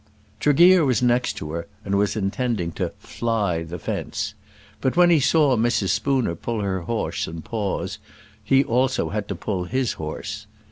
Tregear was next to her and was intending to "fly" the fence. But when he saw Mrs. Spooner pull her horse and pause, he also had to pull his horse.